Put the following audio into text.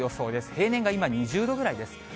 平年が今２０度ぐらいです。